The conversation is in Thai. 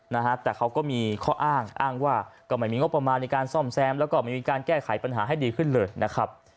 นะฮะแต่เขาก็มีข้ออ้างอ้างว่าก็ไม่มีงบประมาณในการซ่อมแซมแล้วก็ไม่มีการแก้ไขปัญหาให้ดีขึ้นเลยนะครับ